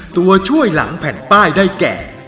ตัวช่วยหลังแผ่นป้ายได้แก่